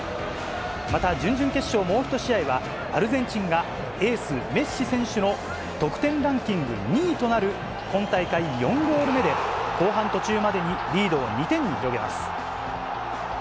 また準々決勝もう一試合は、アルゼンチン、エース、メッシ選手の得点ランキング２位となる今大会４ゴール目で、後半途中までにリードを２点に広げます。